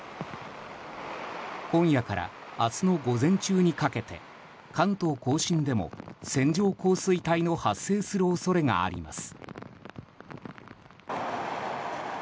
今夜から明日の午前中にかけて関東・甲信でも線状降水帯の発生する恐れがあります。